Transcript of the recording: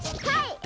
はい！